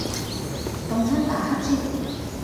凍親打乞嗤